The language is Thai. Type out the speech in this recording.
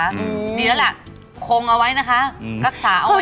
ดีแล้วล่ะคงเอาไว้นะคะรักษาเอาไว้